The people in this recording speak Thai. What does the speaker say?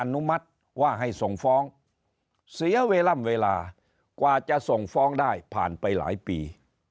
อนุมัติว่าให้ส่งฟ้องเสียเวลากว่าจะส่งฟ้องได้ผ่านไปหลายปี